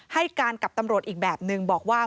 ให้การกับตำรวจอีกแบบนึงบอกว่า